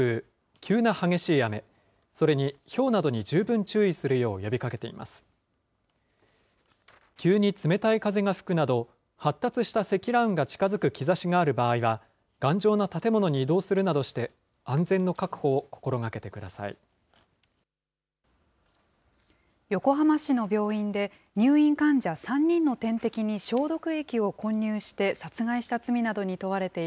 急に冷たい風が吹くなど、発達した積乱雲が近づく兆しがある場合は、頑丈な建物に移動するなどして、安全の確保を心がけてください。